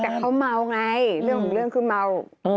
แต่เขาเมาไงเรื่องคือเมา